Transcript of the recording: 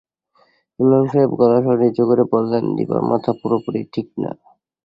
ইমাম সাহেব গলার স্বর নিচু করে বললেন, দিপার মাথা পুরাপুরি ঠিক না।